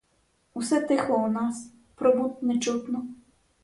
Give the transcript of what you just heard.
Усе тихо у нас, про бунт не чутно.